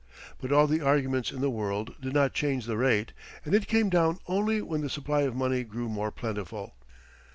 But all the arguments in the world did not change the rate, and it came down only when the supply of money grew more plentiful.